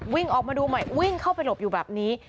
วิ่งออกมาดูใหม่วิ่งเข้าไปหลบอยู่แบบนี้